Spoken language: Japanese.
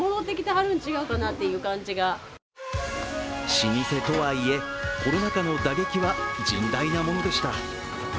老舗とはいえ、コロナ禍の打撃は甚大なものでした。